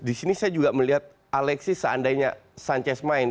disini saya juga melihat alexis seandainya sanchez main